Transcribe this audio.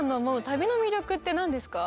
旅の魅力って何ですか？